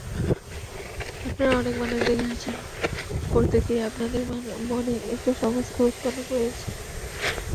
আপনারা অনেক মানুষ দেখিয়াছেন, প্রত্যেকেই আপনাদের মনে একটি সংস্কার উৎপন্ন করিয়াছে।